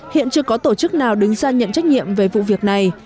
hiện chưa có tổ chức nào đứng ra nhận trách nhiệm về vụ việc này